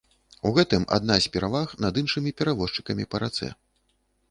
У гэтым адна з пераваг над іншымі перавозчыкамі па рацэ.